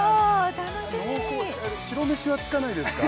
楽しみ白飯は付かないですか？